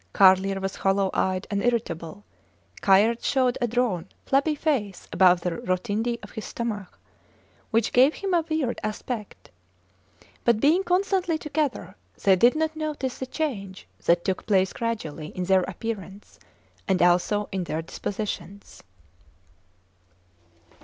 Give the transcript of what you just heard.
Carlier was hollow eyed and irritable. Kayerts showed a drawn, flabby face above the rotundity of his stomach, which gave him a weird aspect. But being constantly together, they did not notice the change that took place gradually in their appearance, and also in their dispositions.